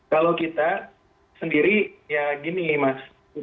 kalau kita sendiri ya gini mas